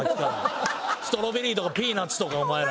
ストロベリーとかピーナッツとかお前ら。